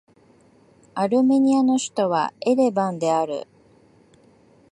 アルメニアの首都はエレバンである